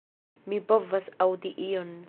Mi povas aŭdi ion...